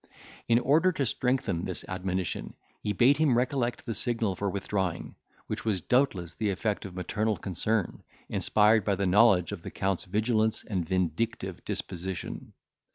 In order to strengthen this admonition, he bade him recollect the signal for withdrawing, which was doubtless the effect of maternal concern, inspired by the knowledge of the Count's vigilance and vindictive disposition.